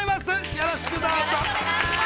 よろしくどうぞ。